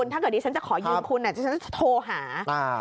ถ้าเกิดดิฉันจะขอยืมคุณดิฉันจะโทรหา